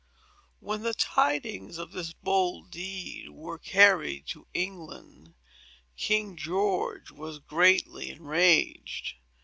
When tidings of this bold deed were carried to England, King George was greatly enraged.